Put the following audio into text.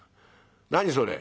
何それ？」。